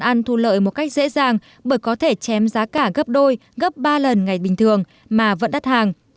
ăn thu lợi một cách dễ dàng bởi có thể chém giá cả gấp đôi gấp ba lần ngày bình thường mà vẫn đắt hàng